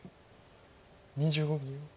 ２５秒。